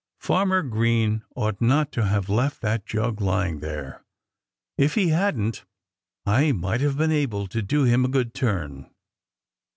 Farmer Green ought not to have left that jug lying there. If he hadn't, I might have been able to do him a good turn."